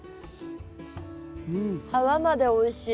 皮までおいしい。